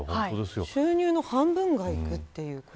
収入の半分がいくということ。